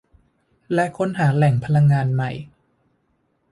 และค้นหาแหล่งพลังงานใหม่